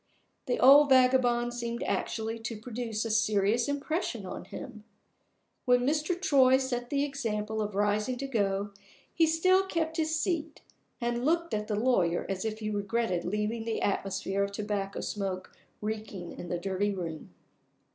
The old vagabond seemed actually to produce a serious impression on him! When Mr. Troy set the example of rising to go, he still kept his seat, and looked at the lawyer as if he regretted leaving the atmosphere of tobacco smoke reeking in the dirty room.